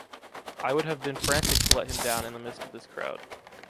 I would have been frantic to let him down in the mist of this crowd.